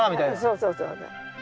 そうそうそう。